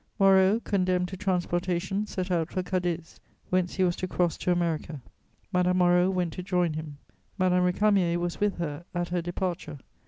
Moreau, condemned to transportation, set out for Cadiz, whence he was to cross to America. Madame Moreau went to join him. Madame Récamier was with her at her departure.